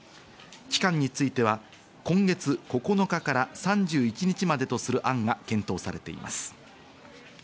期間については今月９日から３１日までとする案が検討されています。